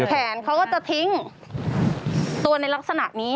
แขนเขาก็จะทิ้งตัวในลักษณะนี้